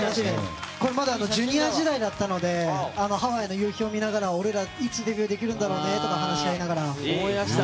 まだＪｒ．時代だったのでハワイの夕陽を見ながら俺ら、いつデビューできるんだろうねって話し合いながら。